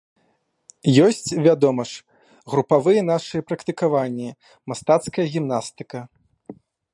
Ёсць, вядома ж, групавыя нашыя практыкаванні, мастацкая гімнастыка.